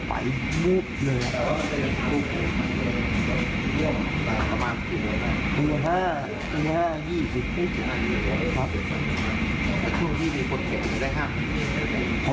สามเดี๋ยวที่มีคนเก็บอีกเลยห้าม